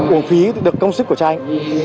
uổng phí được công sức của trai